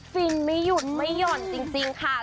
ฟินไม่หยุดไม่หย่อนจริงค่ะ